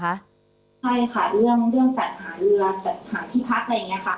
ใช่ค่ะเรื่องจัดหาเรือจัดหาที่พักอะไรอย่างนี้ค่ะ